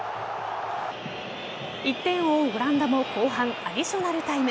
１点を追うオランダも後半、アディショナルタイム。